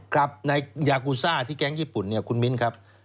ครับในยากูซ่าที่แก๊งญี่ปุ่นเนี่ยคุณมิ้นครับ